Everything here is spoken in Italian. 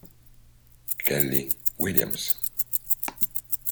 Kelly Williams